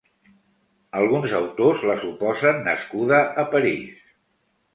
Alguns autors la suposen nascuda a París.